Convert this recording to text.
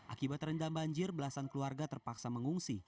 akibat terendam banjir belasan keluarga terpaksa mengungsi